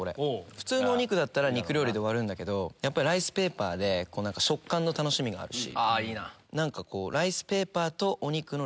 普通のお肉だったら肉料理で終わるんだけどライスペーパーで食感の楽しみがあるし。